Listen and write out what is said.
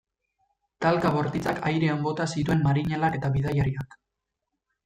Talka bortitzak airean bota zituen marinelak eta bidaiariak.